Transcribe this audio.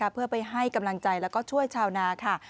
เพื่อไปให้กำลังใจแล้วก็ช่วยชาวนาค่ะ